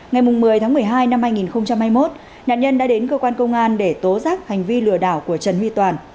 ngày một mươi tháng một mươi hai năm hai nghìn hai mươi một nạn nhân đã đến cơ quan công an để tố rắc hành vi lừa đảo của trần huy toàn